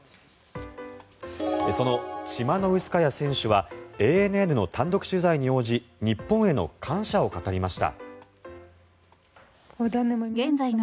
そのチマノウスカヤ選手はＡＮＮの単独取材に応じ日本への感謝を語りました。